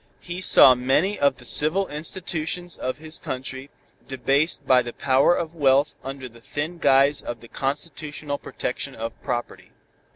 He saw many of the civil institutions of his country debased by the power of wealth under the thin guise of the constitutional protection of property.